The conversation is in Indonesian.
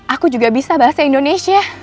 aku juga bisa bahasa indonesia